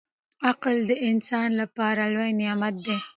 • عقل د انسان لپاره لوی نعمت دی.